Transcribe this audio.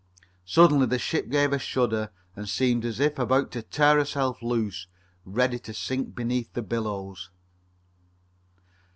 Suddenly the ship gave a shudder and seemed as if about to tear herself loose, ready to sink beneath the billows.